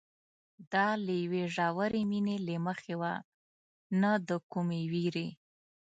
دا له یوې ژورې مینې له مخې وه نه د کومې وېرې.